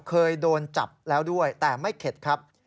เคยโดนจับแล้วด้วยแต่ไม่เข็ดครับ